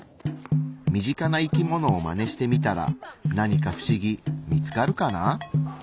身近な生きものをマネしてみたら何か不思議見つかるかな？